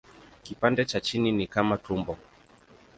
Kipande cha chini ni kama tumbo.